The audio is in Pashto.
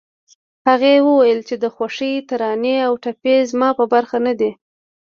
هغې وويل چې د خوښۍ ترانې او ټپې زما په برخه نه دي